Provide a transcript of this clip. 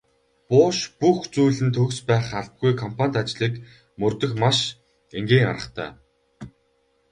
Буш бүх зүйл нь төгс байх албагүй компанит ажлыг мөрдөх маш энгийн аргатай.